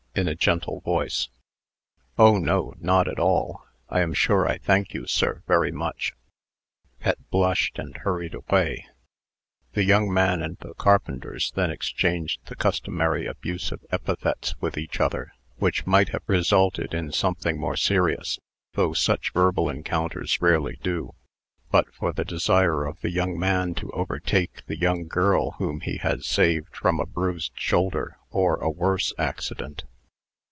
(in a gentle voice). "Oh, no; not at all. I am sure I thank you, sir, very much." Pet blushed, and hurried away. The young man and the carpenters then exchanged the customary abusive epithets with each other, which might have resulted in something more serious (though such verbal encounters rarely do), but for the desire of the young man to overtake the young girl whom he had saved from a bruised shoulder, or a worse accident.